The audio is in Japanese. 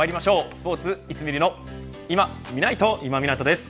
スポーツ、いつ見るの今見ないと、今湊です。